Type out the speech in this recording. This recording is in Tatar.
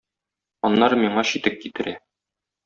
Аннары миңа читек китерә.